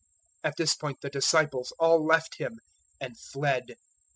At this point the disciples all left Him and fled.